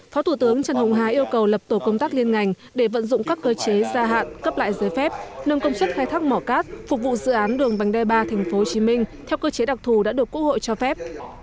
phó thủ tướng trần hồng hà yêu cầu lập tổ công tác liên ngành để vận dụng các cơ chế gia hạn cấp lại giới phép nâng công suất khai thác mỏ cát phục vụ dự án đường vành đai ba tp hcm theo cơ chế đặc thù đã được quốc hội cho phép